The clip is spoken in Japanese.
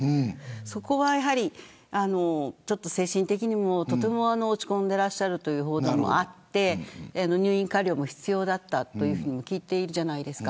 そこは精神的にもとても落ち込んでいらっしゃるという報道もあって入院加療も必要だったと聞いているじゃないですか。